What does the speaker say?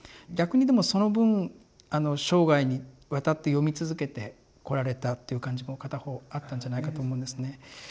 逆にでもその分生涯にわたって読み続けてこられたっていう感じも片方あったんじゃないかと思うんですね。